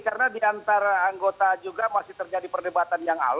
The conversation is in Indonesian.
karena di antara anggota juga masih terjadi perdebatan yang alon